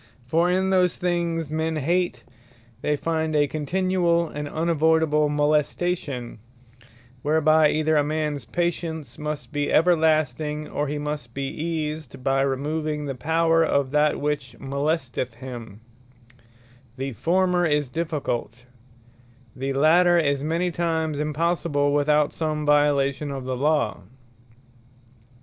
For in those things men hate, they find a continuall, and unavoydable molestation; whereby either a mans patience must be everlasting, or he must be eased by removing the power of that which molesteth him; The former is difficult; the later is many times impossible, without some violation of the Law.